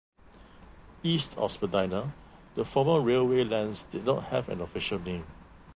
East of Spadina, the former Railway Lands do not have an official name.